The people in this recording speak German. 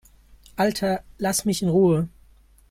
Alter, lass mich in Ruhe!